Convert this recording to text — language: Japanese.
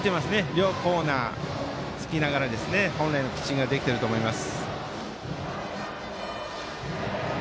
両コーナー、突きながら本来のピッチングができていると思います。